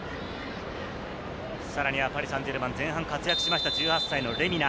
さらにパリ・サンジェルマン、前半活躍しました１８歳のレミナ。